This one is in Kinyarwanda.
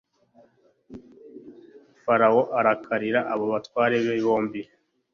farawo arakarira abo batware be bombi